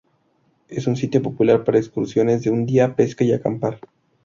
Es un sitio popular para excursiones de un día, pesca, y acampar.